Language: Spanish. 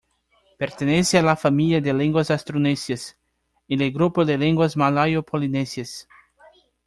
Pertenece a la familia de lenguas austronesias, en el grupo de lenguas malayo-polinesias.